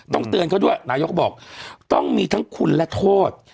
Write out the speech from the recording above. เตือนเขาด้วยนายกก็บอกต้องมีทั้งคุณและโทษ